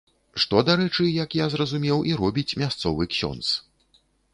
Што, дарэчы, як я зразумеў, і робіць мясцовы ксёндз.